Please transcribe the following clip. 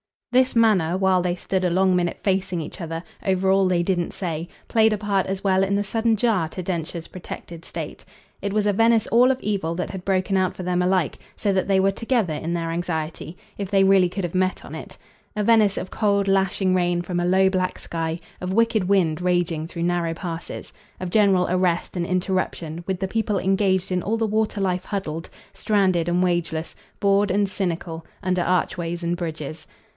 This manner, while they stood a long minute facing each other over all they didn't say, played a part as well in the sudden jar to Densher's protected state. It was a Venice all of evil that had broken out for them alike, so that they were together in their anxiety, if they really could have met on it; a Venice of cold lashing rain from a low black sky, of wicked wind raging through narrow passes, of general arrest and interruption, with the people engaged in all the water life huddled, stranded and wageless, bored and cynical, under archways and bridges.